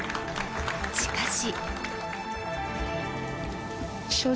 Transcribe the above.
しかし。